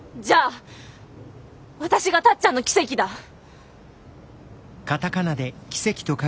じゃあ私がタッちゃんの奇跡だ。